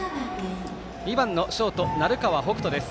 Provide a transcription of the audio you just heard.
２番のショート、鳴川北斗です。